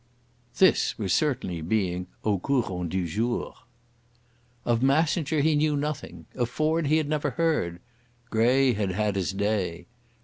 This was certainly being au courant du jour. Of Massenger he knew nothing. Of Ford he had never heard. Gray had had his day.